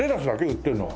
売ってるのは。